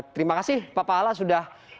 terima kasih pak pahala sudah